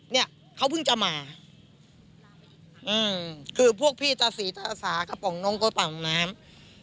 เนี่ยเขาเพิ่งจะมาอืมคือพวกพี่ตาสีตาสากระป๋องนงกระป๋องน้ำ